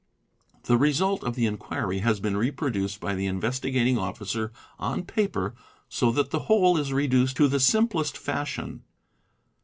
The result of the enquiry has been reproduced by the In vestigating Officer on paper so that the whole is reduced to the simplest fashion.